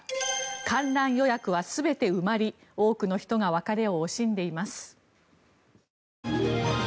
観覧予約は全て埋まり多くの人が別れを惜しんでいます。